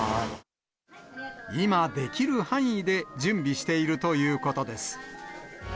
今できる範囲で準備しているということです。